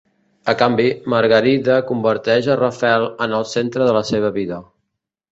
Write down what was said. A canvi, Margarida converteix a Rafel en el centre de la seva vida.